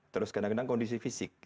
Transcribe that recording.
terus kadang kadang kondisi fisik